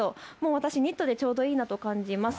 私ニットでちょうどいいなと感じます。